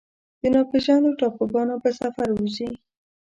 د ناپیژاندو ټاپوګانو په سفر وځي